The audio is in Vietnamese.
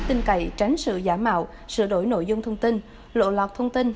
tinh cậy tránh sự giả mạo sửa đổi nội dung thông tin lộ lọc thông tin